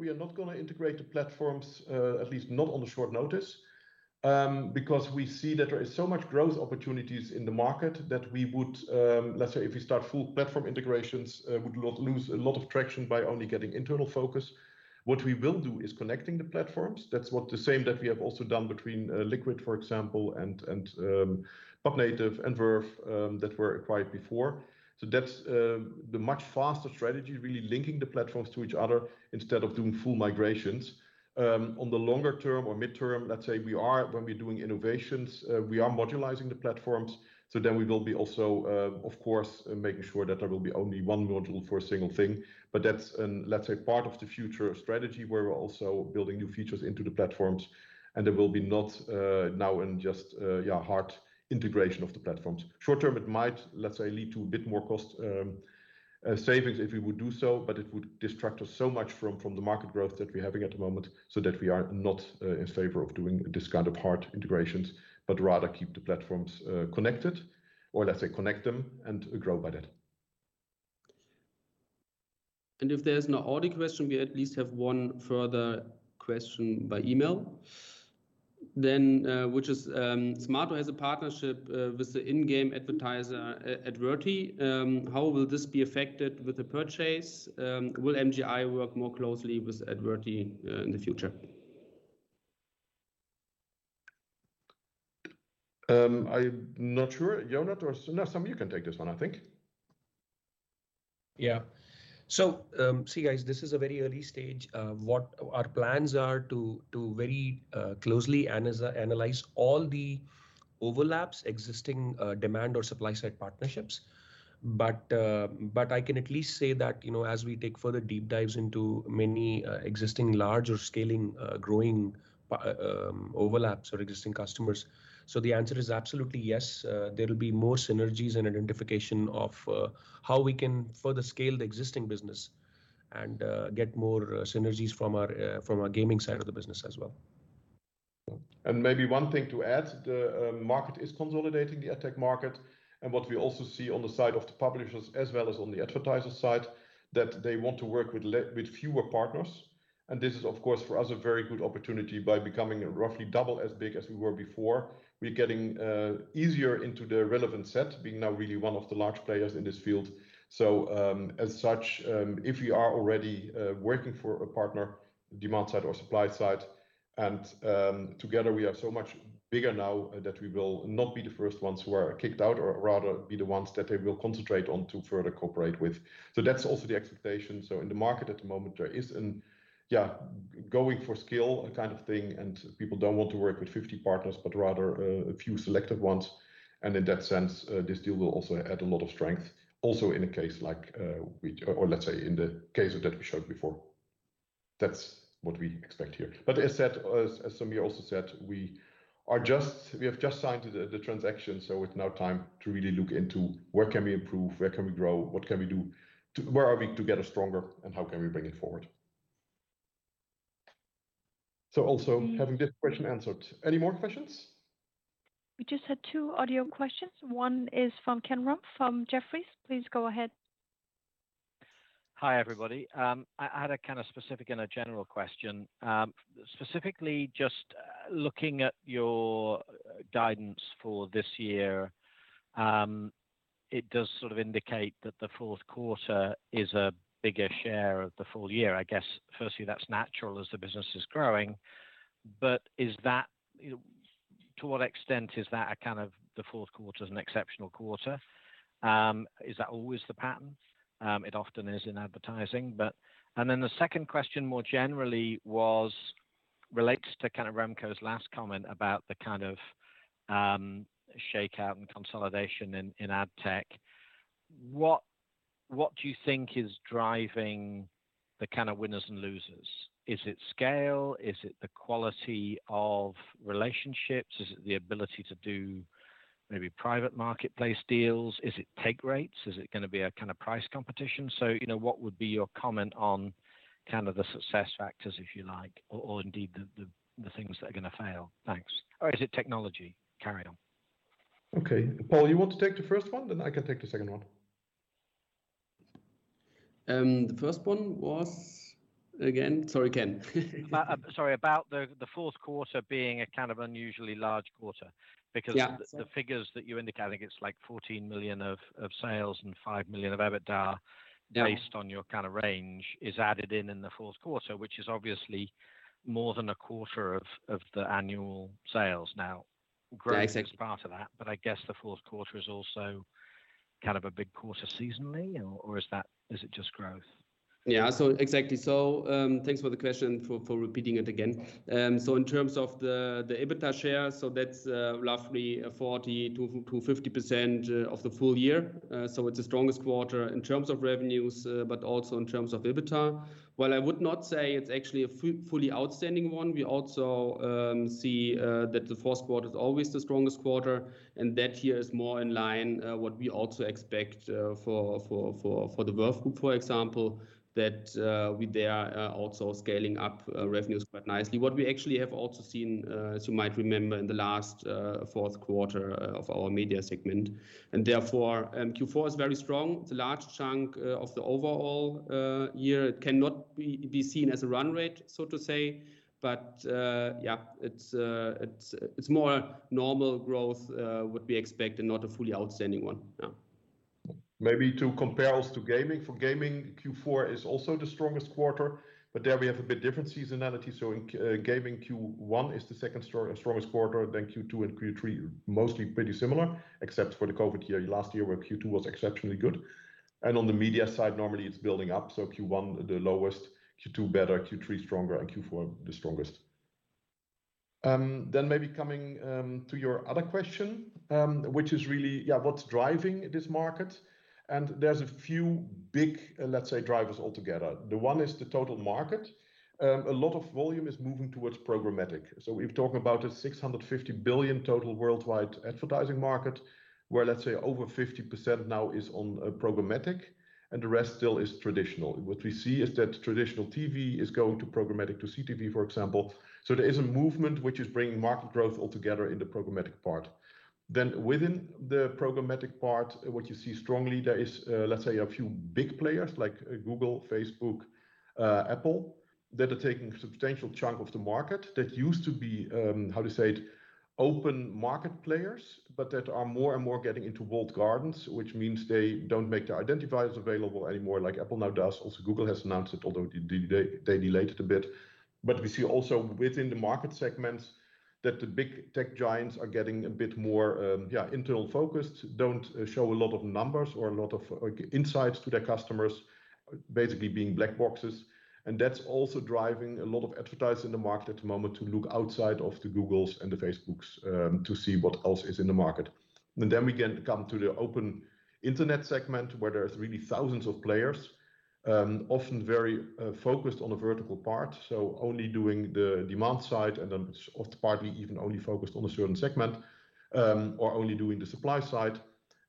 We are not going to integrate the platforms, at least not on the short notice, because we see that there is so much growth opportunities in the market that we would, let's say, if we start full platform integrations, would lose a lot of traction by only getting internal focus. What we will do is connecting the platforms. That's what the same that we have also done between LKQD, for example, and PubNative and Verve that were acquired before. That's the much faster strategy, really linking the platforms to each other instead of doing full migrations. On the longer term or midterm, let's say, when we're doing innovations, we are modularizing the platforms. We will be also, of course, making sure that there will be only one module for a single thing. That's, let's say, part of the future strategy where we're also building new features into the platforms, and there will be not now in just hard integration of the platforms. Short term, it might, let's say, lead to a bit more cost savings if we would do so, but it would distract us so much from the market growth that we're having at the moment, so that we are not in favor of doing this kind of hard integrations, but rather keep the platforms connected, or let's say, connect them and grow by that. If there's no audio question, we at least have one further question by email. Which is Smaato has a partnership with the in-game advertiser, Adverty. How will this be affected with the purchase? Will MGI work more closely with Adverty in the future? I'm not sure. Ionut or Sameer, you can take this one, I think. Yeah. See, guys, this is a very early stage. What our plans are to very closely analyze all the overlaps, existing demand or supply side partnerships. I can at least say that as we take further deep dives into many existing large or scaling, growing overlaps or existing customers, the answer is absolutely yes. There will be more synergies and identification of how we can further scale the existing business and get more synergies from our gaming side of the business as well. Maybe one thing to add, the market is consolidating, the AdTech market, and what we also see on the side of the publishers as well as on the advertiser side, that they want to work with fewer partners. This is, of course, for us, a very good opportunity by becoming roughly double as big as we were before. We're getting easier into the relevant set, being now really one of the large players in this field. As such, if we are already working for a partner, demand side or supply side, and together we are so much bigger now that we will not be the first ones who are kicked out, or rather be the ones that they will concentrate on to further cooperate with. That's also the expectation. In the market at the moment, there is a going for scale kind of thing, and people don't want to work with 50 partners, but rather a few selected ones. In that sense, this deal will also add a lot of strength also in a case like, or let's say in the case that we showed before. That's what we expect here. As Sameer also said, we have just signed the transaction, so it's now time to really look into what can we improve, where can we grow, what can we do, where are we to get stronger, and how can we bring it forward? Also having this question answered. Any more questions? We just had two audio questions. One is from Cameron, from Jefferies. Please go ahead. Hi, everybody. I had a kind of specific and a general question. Specifically just looking at your guidance for this year, it does sort of indicate that the fourth quarter is a bigger share of the full year. I guess firstly, that's natural as the business is growing, but to what extent is that kind of the fourth quarter is an exceptional quarter? Is that always the pattern? It often is in advertising. The second question more generally was related to kind of Remco's last comment about the kind of shakeout and consolidation in ad tech. What do you think is driving the kind of winners and losers? Is it scale? Is it the quality of relationships? Is it the ability to do maybe private marketplace deals? Is it take rates? Is it going to be a kind of price competition? What would be your comment on kind of the success factors, if you like, or indeed the things that are going to fail? Thanks. Is it technology? Carry on. Okay. Paul, you want to take the first one? I can take the second one. The first one was again? Sorry, again. Sorry, about the fourth quarter being a kind of unusually large quarter because. Yeah. The figures that you indicated, it's like 14 million of sales and 5 million of EBITDA. Yeah. Based on your kind of range is added in in the fourth quarter, which is obviously more than a quarter of the annual sales now. Yes. Great if it's part of that, but I guess the fourth quarter is also kind of a big quarter seasonally, or is it just growth? Yeah. Exactly. Thanks for the question, for repeating it again. In terms of the EBITDA share, that's roughly 40%-50% of the full year. It's the strongest quarter in terms of revenues, but also in terms of EBITDA. While I would not say it's actually a fully outstanding one, we also see that the fourth quarter is always the strongest quarter, and that here is more in line what we also expect for the Verve Group, for example, that they are also scaling up revenues quite nicely. What we actually have also seen, as you might remember, in the last fourth quarter of our media segment, and therefore Q4 is very strong. The large chunk of the overall year cannot be seen as a run rate, so to say. Yeah, it's more a normal growth would be expected, not a fully outstanding one. Yeah. To compare us to gaming, for gaming, Q4 is also the strongest quarter, there we have a bit different seasonality. In gaming, Q1 is the second strongest quarter, Q2 and Q3 are mostly pretty similar, except for the COVID year last year, where Q2 was exceptionally good. On the media side, normally it's building up, Q1 the lowest, Q2 better, Q3 stronger, and Q4 the strongest. Maybe coming to your other question, which is really what's driving this market, there's a few big, let's say, drivers altogether. The one is the total market. A lot of volume is moving towards programmatic. We're talking about a 650 billion total worldwide advertising market where, let's say, over 50% now is on programmatic and the rest still is traditional. What we see is that traditional TV is going to programmatic to CTV, for example. There is a movement which is bringing market growth altogether in the programmatic part. Within the programmatic part, what you see strongly there is, let's say a few big players like Google, Facebook, Apple, that are taking a substantial chunk of the market that used to be, how to say it, open market players, but that are more and more getting into walled gardens, which means they don't make the identifiers available anymore like Apple now does. Also Google has announced, although they delayed it a bit. We see also within the market segments that the big tech giants are getting a bit more internal focused, don't show a lot of numbers or a lot of insights to their customers, basically being black boxes. That's also driving a lot of advertisers in the market at the moment to look outside of the Googles and the Facebooks to see what else is in the market. Then we can come to the open internet segment where there's really thousands of players, often very focused on the vertical part, so only doing the demand side and then often partly even only focused on a certain segment, or only doing the supply side.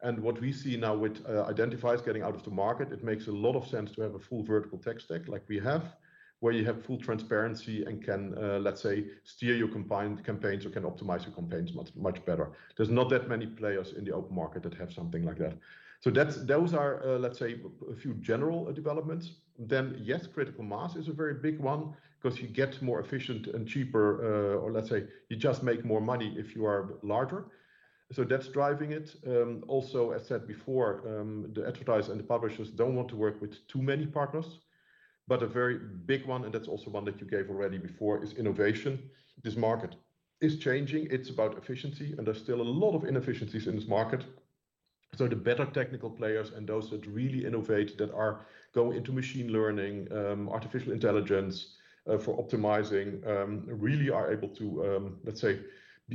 What we see now with identifiers getting out of the market, it makes a lot of sense to have a full vertical tech stack like we have, where you have full transparency and can, let's say, steer your combined campaigns or can optimize your campaigns much, much better. There's not that many players in the open market that have something like that. Those are, let's say, a few general developments. Yes, critical mass is a very big one because it gets more efficient and cheaper, or let's say you just make more money if you are larger. That's driving it. As said before, the advertisers and the publishers don't want to work with too many partners. A very big one, and that's also one that you gave already before, is innovation. This market is changing. It's about efficiency, and there's still a lot of inefficiencies in this market. The better technical players and those that really innovate, that are going into machine learning, artificial intelligence for optimizing, really are able to, let's say,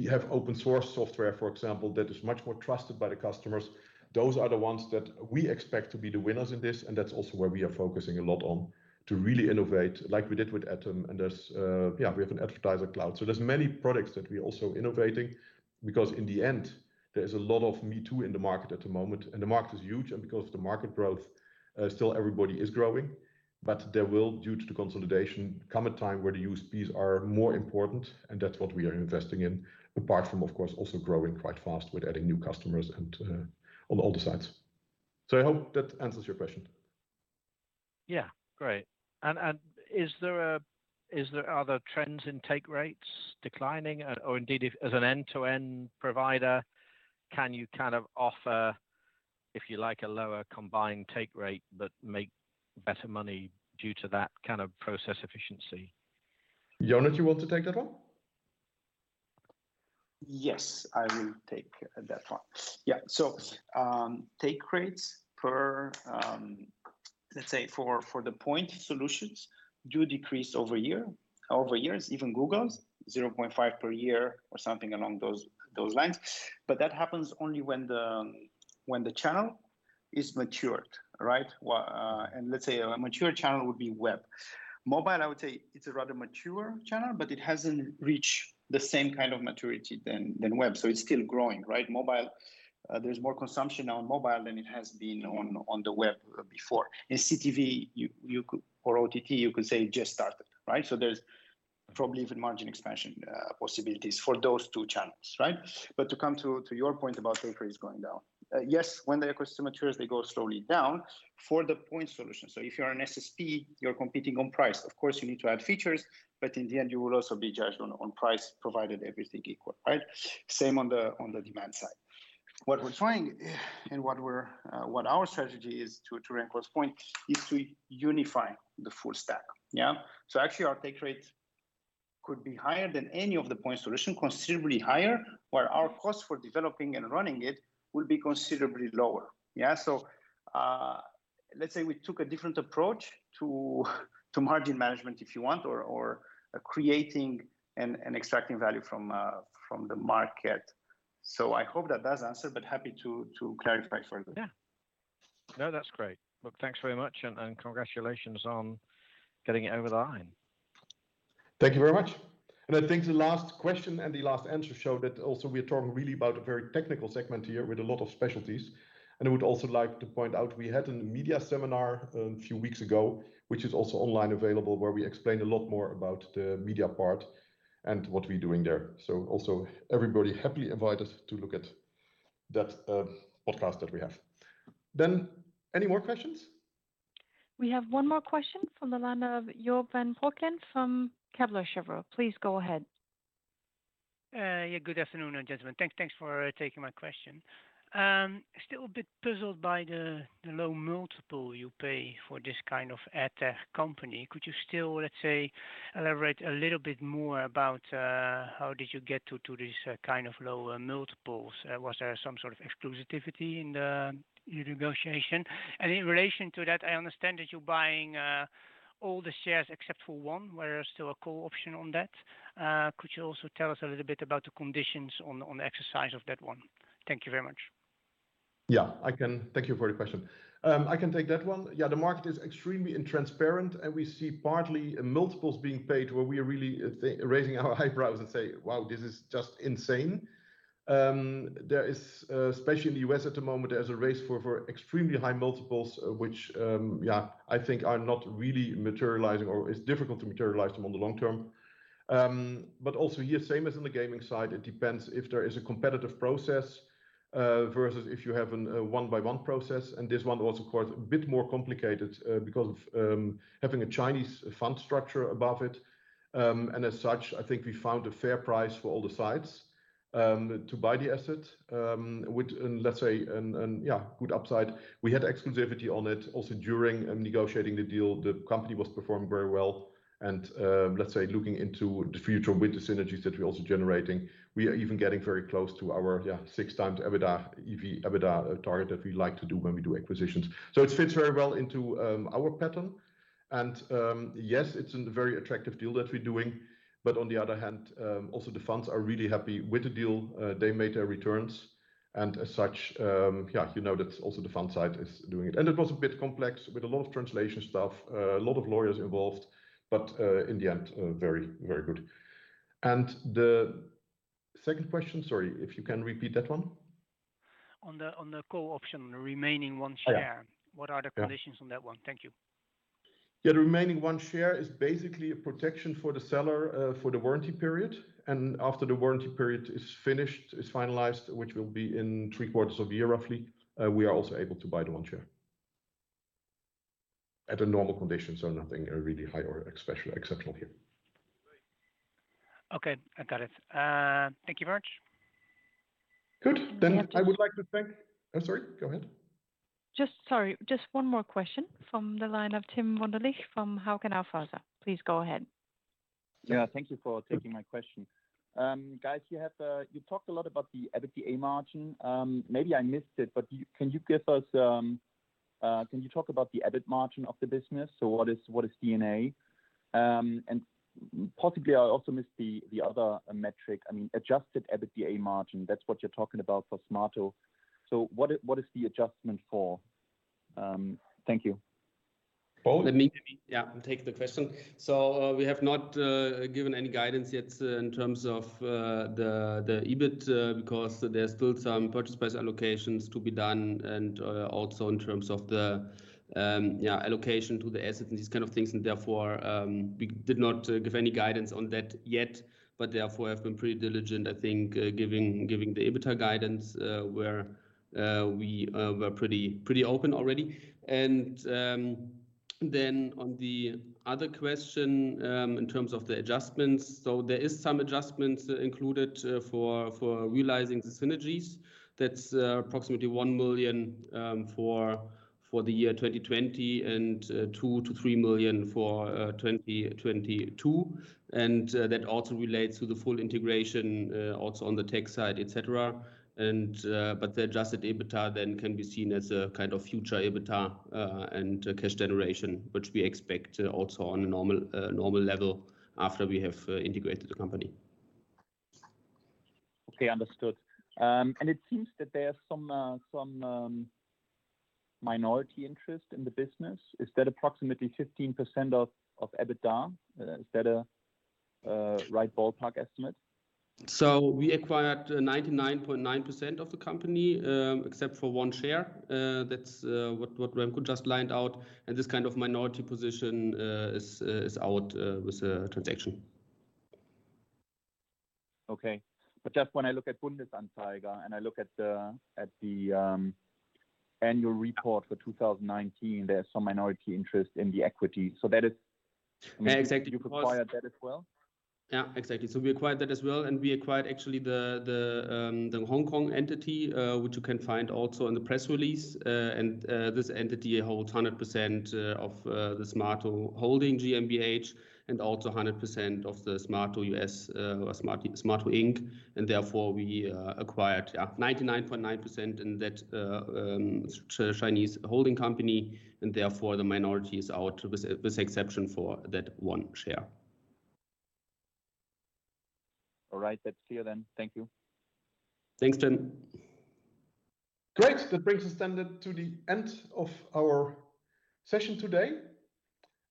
have open source software, for example, that is much more trusted by the customers. Those are the ones that we expect to be the winners in this, and that's also where we are focusing a lot on to really innovate, like we did with ATOM, and we have an advertiser cloud. There's many products that we're also innovating, because in the end, there is a lot of me too in the market at the moment, and the market is huge, and because of the market growth, still everybody is growing. There will, due to the consolidation, come a time where the USPs are more important, and that's what we are investing in, apart from, of course, also growing quite fast with adding new customers and on all the sides. I hope that answers your question. Yeah. Great. Are there trends in take rates declining? Indeed, as an end-to-end provider, can you offer, if you like, a lower combined take rate, but make better money due to that kind of process efficiency? Ionut, you want to take that one? Yes. I will take that one. Take rates per, let's say, for the point solutions do decrease over years, even Google's, 0.5 per year or something along those lines. That happens only when the channel is matured, right? Let's say a mature channel would be web. Mobile, I would say it's a rather mature channel, but it hasn't reached the same kind of maturity than web, so it's still growing, right? Mobile, there's more consumption on mobile than it has been on the web before. In CTV or OTT, you could say just started, right? There's probably even margin expansion possibilities for those two channels, right? To come to your point about take rates going down. Yes, when the ecosystem matures, they go slowly down for the point solution. If you're an SSP, you're competing on price. Of course, you need to add features, but in the end, you will also be judged on price, provided everything equal, right? Same on the demand side. What we're trying, and what our strategy is, to Remco's point, is to unify the full stack. Yeah? Actually, our take rate could be higher than any of the point solution, considerably higher, where our cost for developing and running it will be considerably lower. Yeah? Let's say we took a different approach to margin management, if you want, or creating and extracting value from the market. I hope that that's answered, but happy to clarify further. Yeah. No, that's great. Look, thanks very much, and congratulations on getting it over the line. Thank you very much. I think the last question and the last answer showed that also we are talking really about a very technical segment here with a lot of specialties, and I would also like to point out we had a new media seminar a few weeks ago, which is also online available, where we explained a lot more about the media part and what we're doing there. Also, everybody happily invited to look at that podcast that we have. Any more questions? We have one more question from the line of Job van Breukelen from Kepler Cheuvreux. Please go ahead. Yeah. Good afternoon, gentlemen. Thanks for taking my question. Still a bit puzzled by the low multiple you pay for this kind of ad tech company. Could you still, let's say, elaborate a little bit more about how did you get to this kind of lower multiples? Was there some sort of exclusivity in your negotiation? In relation to that, I understand that you're buying all the shares except for one, where there's still a call option on that. Could you also tell us a little bit about the conditions on the exercise of that one? Thank you very much. Thank you for the question. I can take that one. The market is extremely intransparent, and we see partly multiples being paid where we are really raising our eyebrows and say, "Wow, this is just insane." There is, especially in the U.S. at the moment, there's a race for extremely high multiples, which, yeah, I think are not really materializing or is difficult to materialize them on the long term. Also here, same as in the gaming side, it depends if there is a competitive process, versus if you have a one-by-one process, and this one was, of course, a bit more complicated, because of having a Chinese fund structure above it. As such, I think we found a fair price for all the sides to buy the asset, with, let's say, a good upside. We had exclusivity on it. During negotiating the deal, the company was performing very well, and let's say, looking into the future with the synergies that we're also generating, we are even getting very close to our 6x EBITDA target that we like to do when we do acquisitions. It fits very well into our pattern, and yes, it's a very attractive deal that we're doing. On the other hand, also the funds are really happy with the deal. They made their returns, and as such, you know that also the fund side is doing it. It was a bit complex with a lot of translation stuff, a lot of lawyers involved. In the end, very good. The second question, sorry, if you can repeat that one. On the call option, the remaining one share. Yeah. What are the conditions on that one? Thank you. Yeah. The remaining one share is basically a protection for the seller for the warranty period, and after the warranty period is finished, is finalized, which will be in three quarters of a year, roughly, we are also able to buy the one share. At a normal condition, so nothing really high or exceptional here. Okay. I got it. Thank you very much. Good. I'm sorry, go ahead. Just, sorry, just one more question from the line of Tim Wunderlich from Hauck & Aufhäuser. Please go ahead. Yeah, thank you for taking my question. Guys, you talked a lot about the EBITDA margin. Maybe I missed it, but can you talk about the EBIT margin of the business? What is D&A? And possibly, I also missed the other metric, adjusted EBITDA margin. That's what you're talking about for Smaato. What is the adjustment for? Thank you. Paul? Let me take the question. We have not given any guidance yet in terms of the EBIT, because there's still some purchase price allocations to be done, and also in terms of the allocation to the asset and these kind of things. Therefore, we did not give any guidance on that yet, but therefore have been pretty diligent, I think, giving the EBITDA guidance, where we were pretty open already. On the other question, in terms of the adjustments, there is some adjustments included for realizing the synergies. That's approximately 1 million for the year 2020, and 2 million-3 million for 2022. That also relates to the full integration, also on the tech side, et cetera. The adjusted EBITDA then can be seen as a kind of future EBITDA, and cash generation, which we expect also on a normal level after we have integrated the company. Okay, understood. It seems that there's some minority interest in the business. Is that approximately 15% of EBITDA? Is that a right ballpark estimate? We acquired 99.9% of the company, except for one share. That's what Remco just lined out, and this kind of minority position is out with the transaction. Okay. Just when I look at Bundesanzeiger, and I look at the annual report for 2019, there's some minority interest in the equity. Exactly. You acquired that as well? Yeah, exactly. We acquired that as well, and we acquired actually the Hong Kong entity, which you can find also in the press release. This entity holds 100% of the Smaato Holding GmbH, and also 100% of the Smaato Inc therefore, we acquired, yeah, 99.9% in that Chinese holding company, and therefore the minority is out, with the exception for that one share. All right. That's clear, then. Thank you. Thanks, Tim. Great. That brings us to the end of our session today.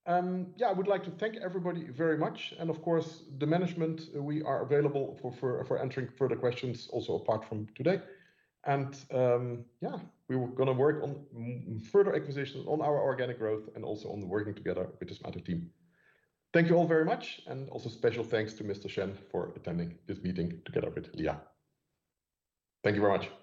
I would like to thank everybody very much. Of course, the management, we are available for answering further questions also apart from today. We were going to work on further acquisitions, on our organic growth, and also on the working together with the Smaato team. Thank you all very much, and also special thanks to Mr. Shen for attending this meeting together with Lia. Thank you very much.